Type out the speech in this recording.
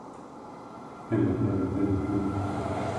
Authorities have evacuated several villages and towns.